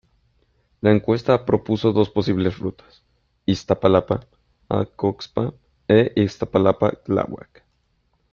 La encuesta propuso dos posibles rutas: Iztapalapa-Acoxpa e Iztapalapa-Tláhuac.